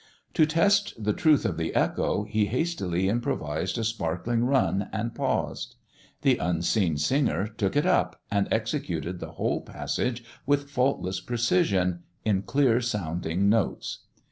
To test the truth of the echo he hastily improvised a sparkling run, and paused. The unseen singer took it up, and executed the whole passage with faultless precision, in clear sounding notes.